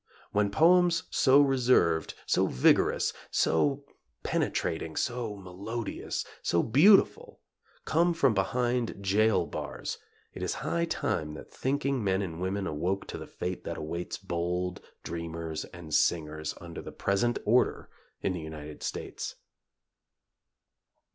When poems so reserved, so vigorous; so penetrating, so melodious, so beautiful, come from behind jail bars, it is high time that thinking men and women awoke to the fate that awaits bold dreamers and singers under the present order in the United States.